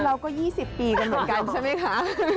๒๐ปีกันเหมือนกันใช่ไหมคะ